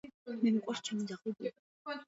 მე მიყვარს ჩემი ძაღლი ბუბუ.